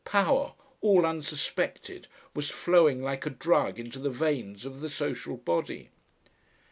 "Power," all unsuspected, was flowing like a drug into the veins of the social body.